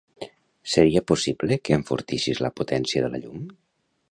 Seria possible que enfortissis la potència de la llum?